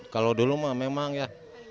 kalau dulu mah memang ya